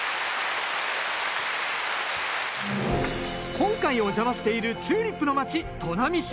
今回お邪魔しているチューリップのまち砺波市。